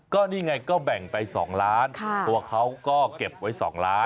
ก็นี่ไงก็แบ่งไป๒ล้านตัวเขาก็เก็บไว้๒ล้าน